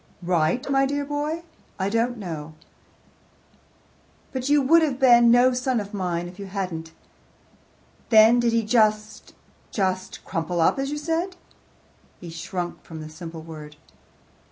"Right, my dear boy? I don't know. But you would have been no son of mine if you hadn't. Then did he just just crumple up as you said?" He shrunk from the simple word.